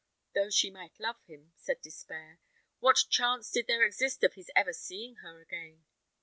Though she might love him, said Despair, what chance did there exist of his ever seeing her again?